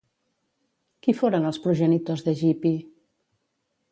Qui foren els progenitors d'Egipi?